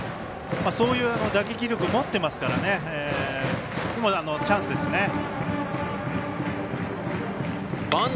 そういう打撃力持ってますからチャンスですね。